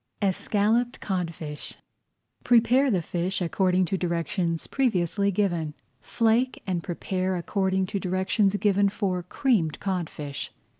ESCALLOPED CODFISH Prepare the fish according to directions previously given. Flake and prepare according to directions given for Creamed Codfish.